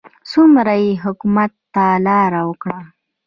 څومره یې حکومت ته لار وکړه.